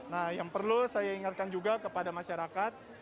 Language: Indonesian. nah yang perlu saya ingatkan juga kepada masyarakat